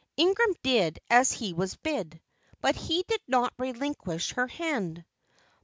Ingram did as he was bid, but he did not relinquish her hand.